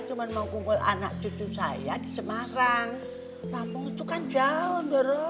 cuman mau kumpul anak jadi saja di semarang namun cuman jauh